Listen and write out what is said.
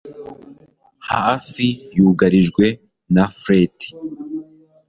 Hafi yugarijwe na flet